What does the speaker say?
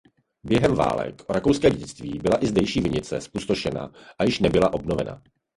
Během válek o rakouské dědictví byla i zdejší vinice zpustošena a již nebyla obnovena.